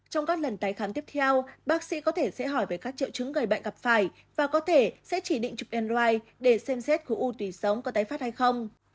trong các lần tái khám tiếp theo bác sĩ có thể sẽ hỏi về các triệu chứng gây bệnh gặp phải và có thể sẽ chỉ định chụp andright để xem xét khối u tùy sống có tái phát hay không